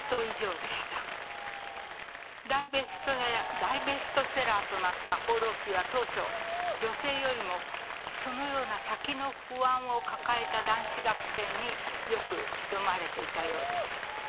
大ベストセラーとなった「放浪記」は当初女性よりもそのような先の不安を抱えた男子学生によく読まれていたようです。